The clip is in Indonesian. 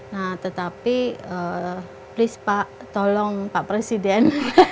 nah tetapi please pak tolong pak presiden